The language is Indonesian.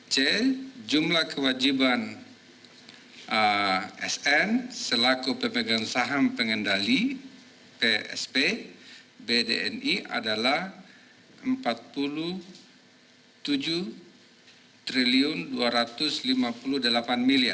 c jumlah kewajiban sn selaku pemegang saham pengendali psp bdni adalah rp empat puluh tujuh dua ratus lima puluh delapan miliar